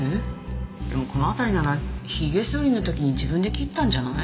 でもこの辺りならひげ剃りの時に自分で切ったんじゃない？